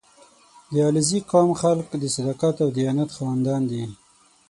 • د علیزي قوم خلک د صداقت او دیانت خاوندان دي.